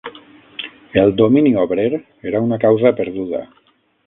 El domini obrer era una causa perduda